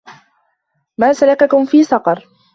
ما سَلَكَكُم في سَقَرَ